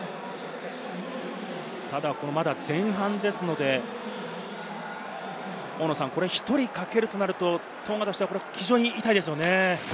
まだ前半ですので、これ１人欠けるとなると、トンガとしては非常に痛いですよね。